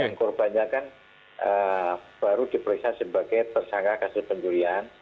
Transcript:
terus terbanyak kan baru diperiksa sebagai tersangka kasus penjurian